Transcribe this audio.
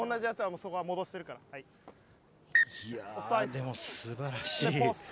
でも、素晴らしい。